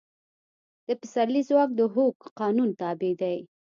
د پسرلي ځواک د هوک قانون تابع دی.